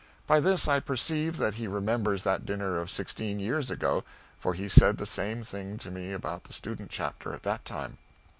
By this I perceive that he remembers that dinner of sixteen years ago, for he said the same thing to me about the student chapter at that time.